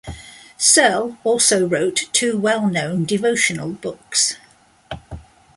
Serle also wrote two well-known devotional books.